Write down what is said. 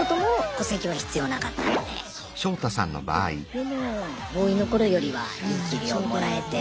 でもボーイの頃よりはいい給料もらえて。